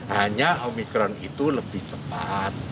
hanya omikron itu lebih cepat